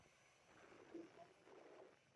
আরে বাবা যদি জানতে পারে, আমাকে মেরে ফেলবে।